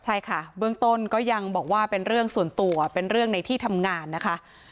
ใช่ค่ะเบื้องต้นก็ยังบอกว่าเป็นเรื่องส่วนตัวเป็นเรื่องในที่ทำงานนะคะ